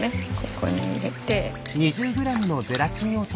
ここに入れて。